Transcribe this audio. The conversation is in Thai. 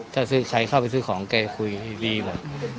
ถ้าใครเข้าไปซื้อของแกคุยดีกว่า